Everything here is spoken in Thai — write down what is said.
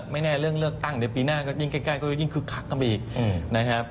ไม่แน่เรื่องเลือกตั้งในปีหน้าก็ยิ่งใกล้ก็ยิ่งคลึกคลักกลับไปอีก